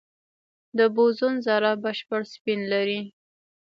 د بوزون ذرات بشپړ سپین لري.